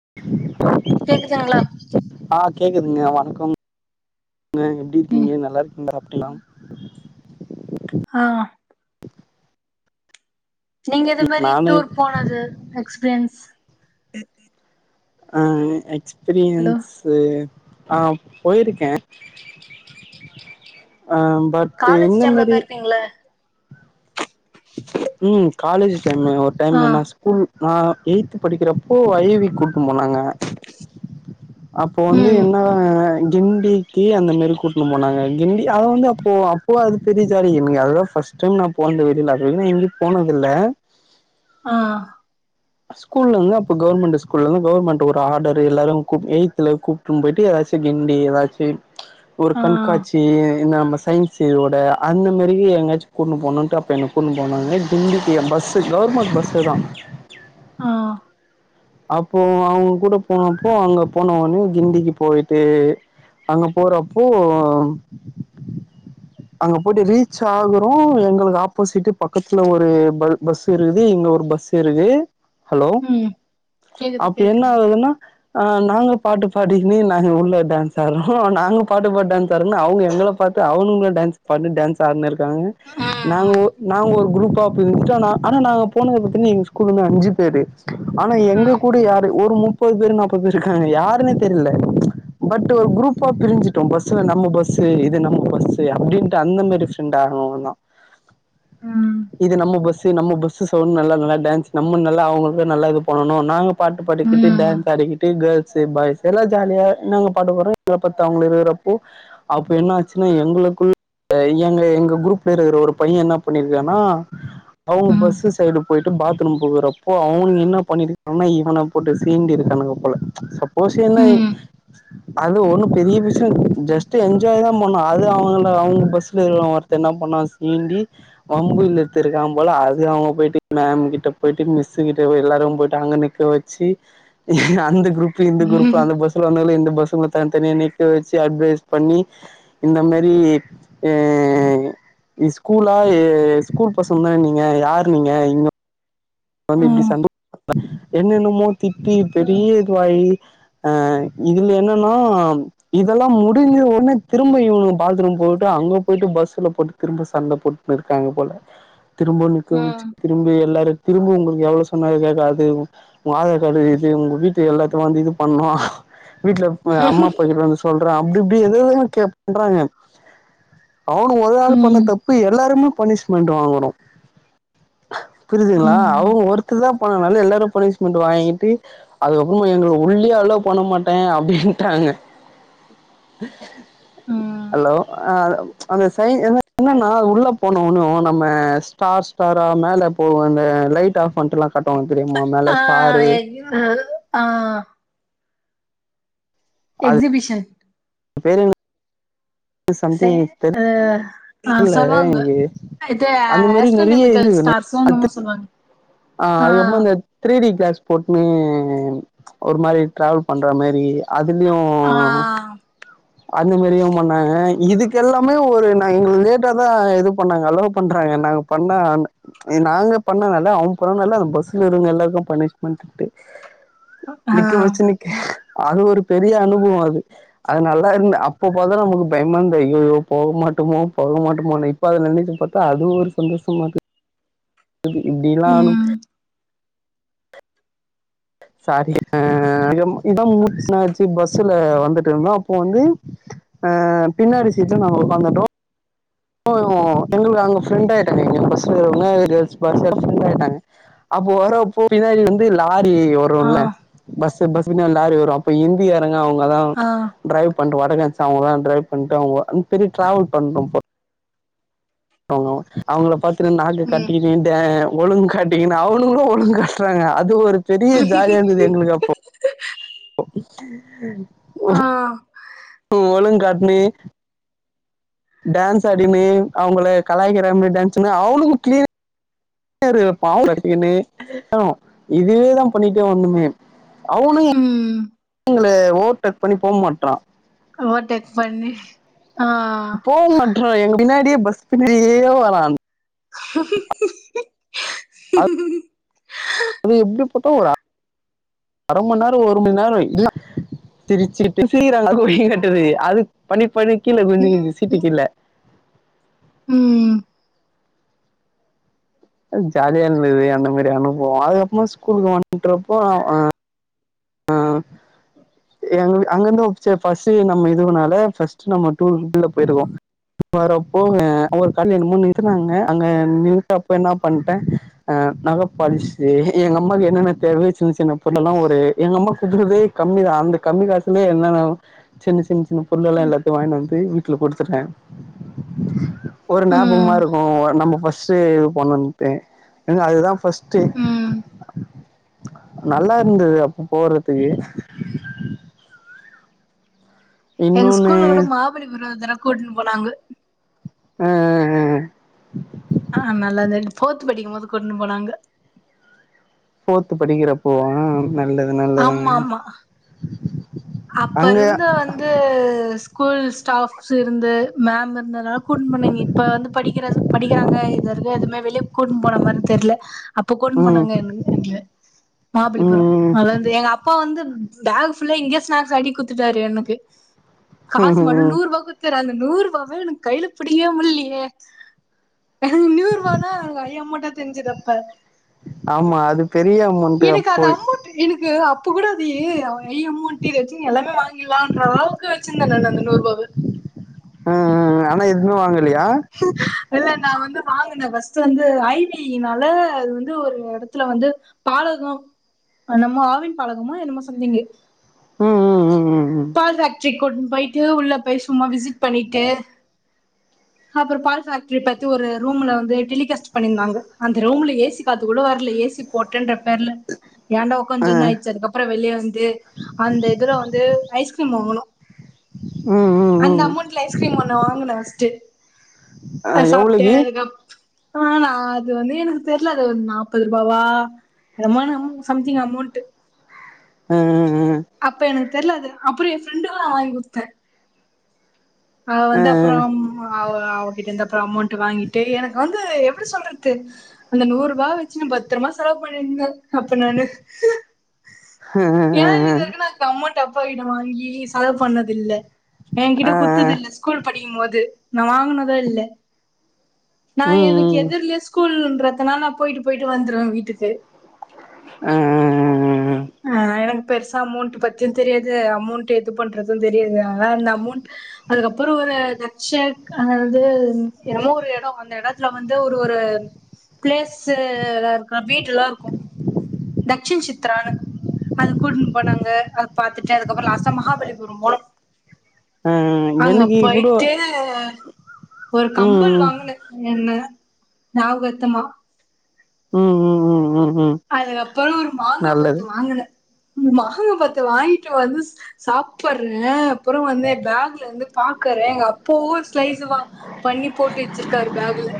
[inaudible] கேக்குசுங்ளா ஆ கேக்குதுங்க வணக்கம் எப்டி ம் இருக்கீங்க நல்லா இருக்கீங்களா ஹலோ ஆ நீங்க இத மாரி நானு டூர் போனது எக்ஸ்பிரியன்ஸ் அ ஹலோ எக்ஸ்பீரியன்ஸ் து ஆ போயிருக்கே அ பட் காலேஜ் இந்த டைம்ல மாரி போய்ருப்பீங்கல்ல ம் காலேஜ் டைம்மு ஒரு டைம் ஆ என்னா செ கூல் நா எய்த் படிக்கிறப்போ ஐ வி கூட்னு போனாங்க அப்போ வந்து ம் என்னதா அ கிண்டிக்கி அந்த மேரி கூட்னு போனாங்க கிண்டி அத வந்து அப்போ அப்போ அது பெரிய ஜாலி என்கு அதலா ஃபஸ்ட் டைம் நா போனது வெளியில அதுவரிகூ நா எங்கயு போனதில்ல ஆ ஸ்கூல்ருந்து அப்ப கவர்மெண்டு ஸ்கூல்லதா கவர்மெண்ட் ஒரு ஆடரு எல்லாரு எய்த்ல கூப் கூட்டுன் போய்ட்டு ஏதாச்சு கிண்டி எதாச்சி ஒரு ஆ கண்காட்சி எங்க நம்ம சயின்ஸ்ஸோட அந்த மேரி எங்காச்சும் கூட்னு போனாகா அப்ப என்ன கூட்ன்னு போனாங்க இங்கித்திய பஸ்சு கவுர்மண்ட் பஸ்ல தா ஆ அப்போ அவுங்க கூட போனப்போ அங்க போன ஒன்னே கிண்டிக்கி போய்ட்டு அங்க போறப்போ அங்க போய்ட்டு ரீச் ஆகுரோ எங்குளுக்கு ஆப்போசிட்டு பக்கத்துல ஒரு பல் பஸ்சு இருக்குது இங்க ஒரு பஸ் இருக்கு ம் கேக்குது அப்ப என்ன கேக்குது ஆவுதுன்னா ஆ நாங்க பாட்டு பாடிகினு நாங்க உள்ள டான்ஸ் ஆட்ரோ நாங்க பாட்டுபாடி டான்ஸ் ஆரோன்னு அவுங்க எங்கள பா பாத்து அவுன்களு டான்ஸ் பாட்னு டேன்ஸ் ஆடுனு இருக்காங்க ம் நாங்க ஓ நாங்க ஒரு குரூப்பா பிரிஞ்ட்டோ ஆ ஆனா நாங்க போனது பாத்திங்கனா எங்க ஸ்கூல்லருந்து அஞ்சு பேரு ஆனா எங்க கூட யாரு ஒரு முப்பது பேர்ரு நாப்பது பேர் இருக்காங்க யாருன்னே தெர்ல பட் ஒரு குரூப்பா பிரிஞ்சி ட்டோ பஸ்சுல நம்ம பஸ்சு இது நம்ம பஸ்சு அப்டின்ட்டு அந்த மேரி ஃப்ரெண்ட்டா ஆனோ தா ம் இது நம்ம பஸ்சு நம்ம பஸ்சு சவுண்டு நல்லா நல்லா டேன்ஸ் நம்ம நல்லா அவுங்களவிட நல்லா இது பன் பண்ணணு நாங்க பாட்டு பாடிக்கிட்டு ம் டேன்ஸ் ஆடிக்கிட்டு ட்டு கேள்ஸ்சு பாய்ஸ்சு எல்லா ஜாலியா நாங்க பாட்டு பாடுவோ எங்களபாத்து அவுங்குளு இருக்கறப்போ அப்ப என்னா ஆச்சுன்னா எங்குளுக்குள்ள எங்க எங்க குரூப்ல இருக்கற ஒரு பைய என்ன பண்ணிருக்கான்னா அவுங்க ம் ம் பஸ்ஸு சைடு போய்ட்டு பாத்ரூம் போகுறப்போ அவுனுங்க என்னா பண்ணிருக்கான்னா இவன போட்டு சீண்டி இருக்கானுங்க போல சப்போஸ் என்ன ம் அது ஒண்ணு பெரிய விஷயம் ஜஸ்ட்டு என்ஜாய் தா பன்னா அது அவுனுங்கள அவுங்க பஸ்சுல இருக்கற ஒருத் த்த என்னா பண்ணா சீண்டி வம்புலுத்து இருக்கான் போல அது அவுங்க போயிட்டு மேம் கிட்ட போய்டிட்டு மிஸ்ஸு கிட்ட போய் எல்லாரும் போயிட்டு அங்க நிக்க வச்சி அந்த குரூப் இந்த குரூப் ம் அந்த பஸ் த்துருகானுங்கள்ள இந்த பஸ்ங்கள தனி தனியாநிக்க வச்சி அட்வைஸ் பண்ணி இந்த மேரி ஏ இ ஸ்கூலா ஸ்கூல் பசங்க தான நீங்க யாரு நீங்க இங்க வந்து இப்டி ம் சண்ட [inaudible] என்னன்னமோ திட்டி பெரிய இதுவாயி ஆ இதுல என்னன்னா இதெல்லாம் முடிஞ்ச ஒட்னே திரும்ப இவுங்க பாத்ரூம் போயிட்டு அங்க போயிட்டு பஸ்ல போட் திரும்ப சண்ட போட்ன்னுருக்காங்க போல திரும்பவும் நிக்க வச்சு ம் திரும்பி எல்லாரு திரும்ப உங்களுக்கு எவ்வள சொன்ன கேக்காது அது உங்க ஆதார் கார்டு இது உங்க வீட்டு எல்லாத்துக்கும் வந்து இது பண்ணோம் வீட்ல அம்மா அப்பா கிட்ட வந்து சொல்ற அப்டி இப்டி எது ஏதயோ கேப் பன்றாங்க அவுக ஒரு ஆள் பண்ண ம் தப் பு எல்லாருமே பனிஷ்மெண்டு வாங்கனோம் பிற ஆ ம் அவுங்க ஒருத்தர்தா பன்னால எல்லாரு பனிஷ்மெண்டு வாங்கிட்டு அதுக்கப்புறமா எங்க உள்ளயே அளோவ் பண்ணமாட்டேன் அப்டின்ட்டாங்க [inaudible] ம் ஹலோ அ அந்த சய் என்னன்னா உள்ள போனோன்யும் நம்ம ஸ்டார் ஸ்டாரா மேல போவோம் இல்ல லைட் ஆஃப் பண்ட்டுலாம் காட்டுவாங்க தெரியுமா மேல ஸ்டாரு அ ஆ எக்ஸிபிஷன் ம் பேருன்ன சய் அ ஆ சொல்வாங்க எனக்கு இது அந்த மாரி நெறைய இது ஆஸ்ட்ரனமிக்கல் ஸ்டார்சும் என்னமோ அது சொல்வாங்க ஆ அதுக்கப்றோ இந்த த்ரீ டி கிளாஸ் போட்ன் ஒரு மாரி ட்ராவல் பண்ற மாரி அதுலயும் அந்த மாரியும் பண்ணாங்க இதுக்கெல்லாமே ஒரு நாங் எங்களுக்கு லேட்டா தான் இது பண்ணாங்க அலோ பண்றாங்க நாங்க பண்ண நாங்க பண்ணலல அவன் பண்ணால அந்த பஸ்சுல இருங்க எல்லாருக்கும் பனிஷ்மெண்ட்டு நிக்க வச்சு நிக்க அது ஒரு பெரிய அனுபவோம் அது அதுனால [unintelligible] அப்ப பாதனா நமக்கு பயமா அய்யோ போக மாட்டோமோ போக மாட்டமானு இப்ப அத நனைச்சுபாத்தா அது ஒரு சந்தோஷமாருக்கு எப்டினாலு ம் சாரி ஆ இதான் முஸ்ல ஆச்சு பஸ்ல வந்துட்டு இருந்தோம் அப்போ வந்து அ பின்னாடி சீட்டுல நாங்க உக்காந்துட்டோம் ஓ எங்களுக்கு அங்க ஃப்ரெண்டயிட்டட்டாங்க எங்க பசங்க [unintelligible] ஃப்ரெண்டாயிட்டாங்க அப்போ வர போ பின்னாடி வந்து லாரியோ ஆ வரும்ல பஸ்சு பஸ்சுக்கு லாரி வரும் அப்ப இந்தியாரங்க அங்கதா ஆ ட்ரைவ் பண்டு வடகச் அவ்கதா ட்ரைவ் பண்ட்றாங்க பெரிய டிராவல் பண்டு ப ஆமா அவுங்கள பாத்து நானு ம் கத்திகின்டேன் ஒழுங்கு காட்டீங்கன்னா அவனுங்கள ஒழுங்கு காட்றாங்க அது ஒரு பெரிய ஜாலியாருந்தது எங்களுக்கு ஆ அப்போ ஒலுங்கு காட்னி டான்ஸ் ஆடிமேல் அவுங்கள கலாய்க்கிறாங்க டான்ஸ்சுனு அவளுக்கும் கிளீரு [unintelligible] வச்சிக்கனு ஆ இதுவேதான் பண்ணிட்டே வந்துமே அவனும் ம் எங்கள ஓவர்டேக் பண்ணி போக மாட்றா ஓவர்டேக் பண்ணி ஆ போக மாட்றா எங்க பின்னாடியே பஸ் பின்னடியே வரான் அ து எப்டி போட்ட அ அரம்ம நேரோ ஒரு ம நேர இல்ல திருப்பி சிரிக்கிறாங்க [unintelligible] அது பண்ணி பண்ணி கீழ ம் விழுந்துருது சிப்பி கீழு ம் அது ஜாலியா இருந்தது அந்த மாரி அனுபவோ அதுக்கப்புறமா ஸ்கூலுக்கு வண்ட்ருப்போ அ ஆ எங்க வீ அங்கந்து சே ஃபஸ்ட்டு நம்ம இதுவுனாலே ஃபஸ்ட்டு நம்ம [unintelligible] போயிருவோ [inaudible] வரப்போ அ அங்கோரு கல்ல என்னமோ நித்துனாங்க அங்க நின்ட்டப்போ என்ன பன்டே அ நகப்பாலிஷு எங்க அம்மாக்கு என்னென்ன தேவையோ சின்ன சின்ன பொருளல்லா ஒரு எங்க அம்மா குடுத்ததே கம்மி தா அந்த கம்மி காசுலே என்ன நா சின்ன சின்ன சின்ன பொருளல்லா எல்லாத்தையு வாங்கினு வந்து ட்ல குடுத்துட்டே ஒரு ஞாபகமா ம் இருக்கு நம்ம ஃபஸ்ட் ஷ்டே பண்ணட்டே எங்க அதுதா ஃபஸ்ட்டு ம் நல்லா இருந்தது அப்ப போறப்பயே எங்க இன்னொன்னு ஸ்கூல்ல ஓட மாபள்ளிபுர ஒருதர கூட்ன்னு போனாங்க அ அ அ ஆ நல்ல தெ ஃபோர்து படிக்கும் போது கூட்ன்னு போனாங்க ஃபோர்து படிக்கிற அப்பவா நல்லது நல்லதுங்க ஆமா ஆமா அப்ப அங்க இருந்து வந் து ஸ்கூல் ஸ்டாஃப்ஸ் இருந்து மேம் இருந்தனால கூட்னு போணீங்க இப்ப வந்து படிக்கிறது படிக்கிறாங்க இது வரைக்கு எதுமே வெளிய கூட்ன்னு போன மாரி தெர்ல அப்ப கூட்ணு ம் போணவங்க எங் எங்ல மாபலிபுரோ ம் அத தெ எங் அப் அப்பா வந்து பேக் ஃபுல்லா இங்கயே ஸ்நாக்ஸ் வாங்கி குட்த்துடாரு எனக்கு காசு மட்டு ம் நூற்ருவா குட் தாரு அந்த நூற்ருபாவே எனக்கு கைல புடிக்வே முல்லயே எனக்கு நூற்வாதா அங்க ஐ அமோண்டா தெர்ஞ்சத ப்ப ஆமா அது பெரிய அமௌண்ட்டு எனக்கு அந்த அப்போய் அமௌண்ட் எனக்கு அப்ப கூட அதி ஐ அமோண்ட் [unintelligible] வச்சின் எல்லாமே வாங்கிர்லான்ற அளவுக்கு வச்சிருந்தே நானு அந்த நூற்வாவ உ உ ஆனா எதுமே வாங்லையா இல்ல நா வந்து வாங்கன ஃபஸ்ட்டு வந்து ஐ வினால அது வந்து ஒரு எடத்துல வந்து பாலகோ நம்ம ஆவின் பாலகமா என்னமோ சம்திங்கு ம் ம் ம் ம் ம் பால் ஃபேக்ரிக் கூட்ணு போயிட்டு உள்ள போய் சும்மா விசிட் பண்ணிட்டு அப்புற பால் ஃபேக்ரி பத்தி ஒரு ரூம்ல வந்து டெலிகாஸ்ட் பண்ணிருந்தாங்க அந்த ரூம்ல ஏ சி காத்து கூட வர்ல ஏ சி போட்டேன்ட்ரபேர்ல ஏண்டா ஆ ஒக்காஞ்சோன்னு அய்ச்சு அதுக்கப் அப்புற வெளிய வந்து அந்த இதுல வந்து ஐஸ்கிரீம் வாங்னோ உ அந்த அமௌண்ட்ல ஐஸ்கிரீம் ஒன்னு வாங்கனோ ஃபஸ்டு ஆ அது சாப்டே எவ்ளோகி அதுக்கு அப் ஆனா அது வந்து எனக்கு தெர்ல அது நாப்பத்ருவாவா [unintelligible] சம்திங் அமோண்ட்டு ஆ ஆ ஆ அப்ப எனக்கு தெர்ல அது அப்புற ஏ ப்ஃரெண்டுக்கு அ வாங்கி குடுத்தே அ ஆ ஆ வந்து அப்றம் அவ் அவகிட்ட இந்து அப்புற அமோண்ட் வாங்கிட்டு எனக்கு வந்து எப்டி சொல்றத்து அந்த நூற்பா வச்சு நா பத்ரமா செலவு பண்ணின்ருந்தே அப்ப நானு ஆ ஏ ஆ இதுவரைக்கி நா கம்மோண்ட் அப்பா கிட்ட வாங்கி செலவு பண்ணதில்ல ஏங்கிட்ட ஆ குத்துது ஆ இல்ல ஸ்கூல் படிக்கும் போது நா வாங்கினதே இல்ல நா ம் எனக்கு ம் எதுர்லயே ஸ்கூல்ன்றதுனால நா போயிட்டு போயிட்டு வந்துருவே வீட்டுக்கு அ அ அ அஅ ஆ எனக்கு பெருசா அமௌண்ட்ட பத்தியு தெரியாது அமௌண்ட் எது பண்றது தெரியாது ஆனா அந்த அமௌண்ட் அதுக்கப்புறோ ஒரு நக்சட் க இது ஏதோ ஒரு எடோ அந்த எடத்துல வந்து ஒரு ஒரு பிளேஸ்ல இருக்க பீட்லா இருக்கு லஷ்சி சித்ரா அது கூட்டினு போனாங்க அது பாத்துட்டு அதுக்கப்புற லாஸ்டா மகாபலிபுரம் போனோ ஆ ஆ அங்க எனக்கு கூடோ போயிட்டு ஒரு கம்பல் ம் வாங்கனே என்ன ஞாபக அர்த்தமா ம் ம் ம் ம் ம் அதுக்கப்புற ஒரு மாங்கா பத்து நல்லது வாங்கனே மாங்கா பத்து வாங்கிட்டு வந்து சாப்பற அப்பற வந்து பேக்ல வந்து பாக்கறே எங்க அப்பா ஊர் ஸ்லைஸ் வா பண்ணி போட்டு வச்சிருக்காரு பேக்ல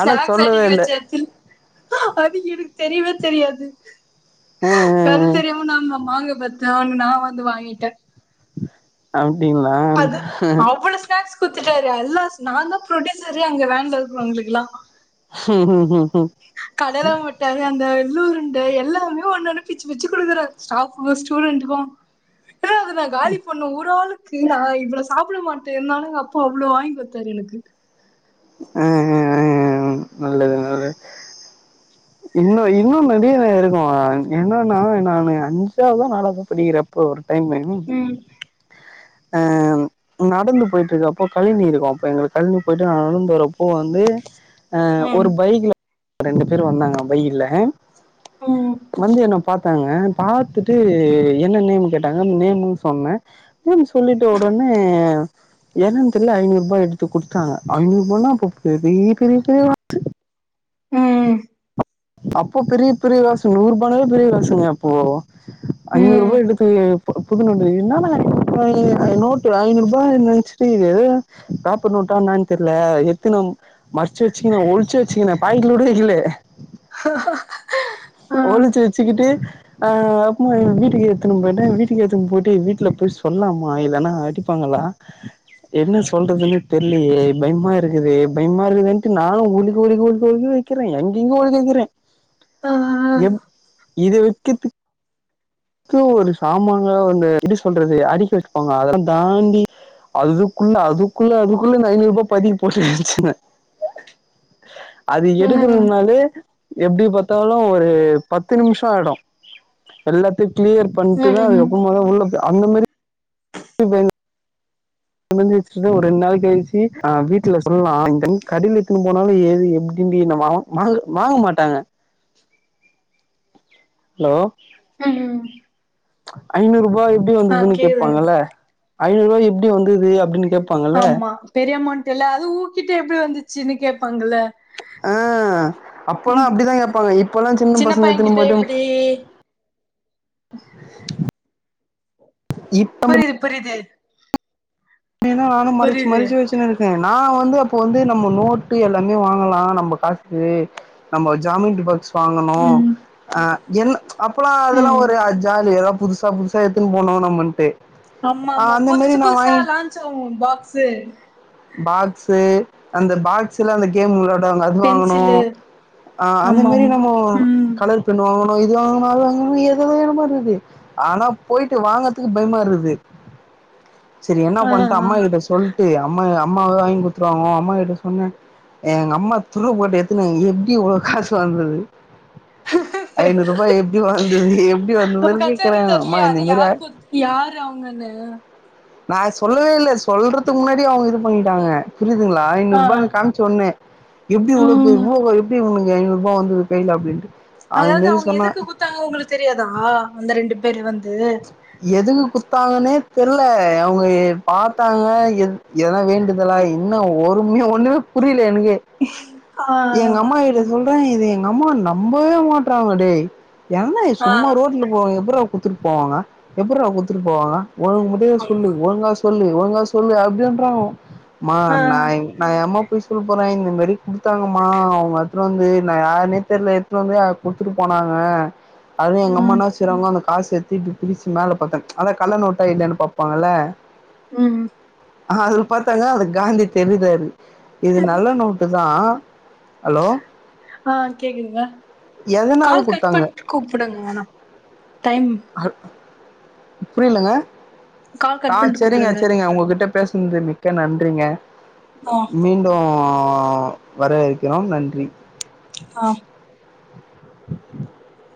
ஆனா சொல்லவே அடுக்கி இல்ல வச்சாச்சி அது எனக்கு தெரியவே தெரியாது அ அத தெரியாம நம்ம மாங்கா பத்து வாங்குன நா வந்து வாங்கிட்ட அப்டிங்களா ம் அது அவ்ளோ ஸ்நாக்ஸ் குத்துட்டாரு எல்லா நா தா ப்ரொடியூசரே அங்க வேன்ல இருக்கறவங்களுக்குலா ம் ம் ம் ம் கடையில மட் அந்த எள்ளூ உருண்ட எல்லாமே ஒன்னு ஒன்னு பிச்சி பிச்சி குடுக்குற ஸ்டாப்க்கு ஸ்டூடண்டுக்கு ஏனா அதுனா காலி பண்ணு ஒரு ஆளுக்கு நா இவ்வள சாப்ட மாட்ட இருந்தாலு எங்க அப்பா அவ்ள வாங்கி குத்தாரு எனக்கு ஆ ஆ ஆ ஆ நல்லது நல்லது இன்ன இன்னு நறைய இருக்கு என்னென்னா நானு அஞ்சாவத நாளாவத படிக்கிறப் அப்போ ஒரு டைமு ம் அ நடந்து போயிட்டு இருக்கறப்போ கழிநீர் இருக்கு அப்ப எங்களுக்கு கழிநீர் போயிட்டு நடந்து வரப்போ வந்து ஆ ம் ஒரு பைக்ல ரெண்டு பேர் வந்தாங்க பைக்ல ம் வந்து என்ன பாத்தாங்க பாத்துட்டு என்ன நேம் கேட்டாங்க அந்த நேம்ன்னு சொன்ன நேம் சொல்லிட்டு ஒடனே என்னனு தெரியல ஐநூறுபா எடுத்து குடுத்தாங்க ஐநூறு அப்போ பெரிய பெரிய பெரிய ம் அப்போ பெரிய பெரிய காசு நூறு ரூபானாலே பெரிய காசுங்க அப்போ ம் ஐநூறுபா எடுத் டு புது நோட்டு என்னடா ஐநூறு ரூபா நோட்டு ஐநூறு ரூபா நெனச்சிட்டு இது ஏத ப்ராப்பர் நோட்டா என்னானு தெரில எத்தினும் மச்சி வச்சிக்கின ஒளிச்சி வச்சிக்கின பாக்கெட்ல கூட வைக்கலே ஆ ஒளிச்சி வச்சிக்கிட்டு ஆ அப்புமா வீட்டுக்கு எத்துணு போயிட்டே வீட்டுக்கு எத்துணு போட்டு வீட்ல போய் சொல்லலாமா இல்லன்னா அடி ப்பாங்களா என்ன சொல்றதுன் தெரியலே பயமா இருக்குதே பயமா இருக்குதுன்ட்டு நானு ஒளிக்கி ஒளிகி ஒளிக் ஒளிக் க்கிறே எங்கெங்கோ ஒளிக்க வைக்கிறே ஆ எப் இத வைக்கறத்துக் ஒரு சாமாங்கல வந்து எப்டி சொல்றது அடிக்கி வச்சியிருப்பாங்க அதெல்லா தாண்டி அதுக்குள்ள அதுக்குள்ள அதுக்குள்ள ஐநூறு ரூபாய் பதிச்சி போட்டு வச்சிவே அது ம் எடுக்கனுனாலே எப்டி பாத்தாலு ஒரு பத்து நிமிஷ ஆயிடு எல்லாத்தையு கிளியர் ம் [unintelligible] அந்த மாரி [unintelligible] ப வச்ச ஒரு ரெண்டு நாள் கழிச்சு அ வீட்ல இத சொல்லலா இந்த கடில எத்துன்னு போனாலு ஏது எப்டிங்க வாங்க வாங்க மாட்டாங்க ஹலோ ஹம் ஐநூறு ரூபாய் எப்டி வந்ததுன்னு கேக்குது கேட்பாங்கல்ல ஐநூறு ரூபா எப்டி வந்தது அடின்னு கேட் ஆமா பெரியமௌண்டு இல்ல அது ஊக்கிட்ட எப்டி வந்துச்சுன்னு கேப்பாங்கல்ல ஆஹ் அப்பெல்லாம் [unintelligible] அப்படிதான் கேட்பாங்க இப்பெல்லாம் சின்ன பசங்க பையகிட்ட எடுத்துன்னு போயிட்டு எப்டி [inaudible] இப் புரிது புரிது ஏனா நானு மறச்சு புரியுது மறச்சு வச்சுனாரு அ நா வந்து அப்போ வந்து நம்ம நோட்டு எல்லாமே வாங்கலா நம்ம காசுக்கு நம்ம ஜாமென்ட்ரி பாக்ஸ் வாங்கனு ம் ஆ என்ன அப்பல்லா அதெல்லா ம் ஒரு ஜாலி ஏதோ புதுசா புதுசா எடுத்துனு போனோ நம்மன்ட்டு ஆ ஆமாமா அந்த மாரி புதுசு நா புதுசா வாங்கி லாஞ்சோம் பாக்ஸு பாக்ஸ்சு அந்த பாக்ஸ் சில அந்த கேம் விளாடுவாங்க அது வாங்ணு பென்சிலு ஆ அந்த மாரி ஆமாம் நம்ம ம் கலர் பண்ண வாங்கணு இது வாங்கணு அது வாங்கணு ஏதேதோ நினைப்பு இருக்கு ஆனா போயிட்டு வாங்கறதுக்கு பயமா இருக்குது சரி என்ன ஆ பண்ட்டே ஆ அம்மா கிட்ட சொல்டு அம்மா அம்மாவ வாங்கி குடுத்துருவாங்க அம்மா கிட்ட சொன்னே எங்க அம்மா துருவ போட்டு எடுத்துன்னு எப்டி இவ்ளோ காசு வந்தது ஐநூறு ரூபாய் எப்டி வந்தது எப்டி அப்ப வந்ததுன்னு கச்சாரி கேக்குறாங்க அம்மா தெர்லயா இந்த அது மாரி யார் குத் யாரு அவங்கன்னு நா சொல்லவே இல்லை சொல்றதுக்கு முன்னாடி அவங்க இது பண்ணிட்டாங்க புரியுதுங்களா ஐநூறு ஆ ரூபாயு காமி சொன்னே எப்டி உ ம் இவ்வளவு ரூபா எப்படி உண்ணுங்க ஐநூறுபா வந்தது கையில அப்டின்ட்டு அத மாரி சொன்னா தா உங்களுக்கு தெரியாதா அந்த ரெண்டு பேரு வந்து எதுக்கு குட்த்தாங்கன்னே தெர்யல அவங்க பார்த்தாங்க எது இதல்லா வேண்டுதல்லா இன்னு ஒரும்யு ஒண்ணுமே புரியல எனக்கே ஆ எங்க அம்மாகிட்ட சொல்றே எங்க அம்மா நம்பவே மாட்றாங்க டே என்ன ஆ சும்மா ரோட்ல போ எப்பட்ரா குடுத்துட்டு போவாங்க எப்பட்ரா குடுத்துட்டு போவாங்க ஒழுங்கு ம் சொல்லு ஆமா ஒழுங்கா சொல்லு ஒழுங்க சொல்லு அப்டின்றா மா ஆ நா இன்னை நா ஏம்மா பொய் சொல்ல போறே இந்த மாரி கொடுத்தாங்கம்மா அவங்க அத்த வந்து நா யாருனே தெரியல அத்த வந்து கொடுத்துட்டு போனாங்க அதுவு எங்க ம் அம்மானா சிறவங்க அந்த காசு தீப்பி பிரிச்சு மேல பாத்தோ அத கள்ள நோட்டா இல்லைன்னு பாப்பாங்கல்ல ம் ஆ அதுல பாத்தாங்க அது காந்தி தெரிராரு இது நல்ல நோட்டு தா ஹலோ ஆ கேக்குதுங்க எதனால கால் கட் குத்தாங்க பண்ட்டு கூப்பிடுங்க வேனா டைம் புரியலங்க கால் ஆ கட் பண்ட்டு செரிங்க கூப்புடுங்க செரிங்க உங்ககிட்ட பேசனதுக்கு மிக்க நன்றிங்க ஆ ம் அப்பறோ வர இருக்கிறோ நன்றி ஆ [inaudible]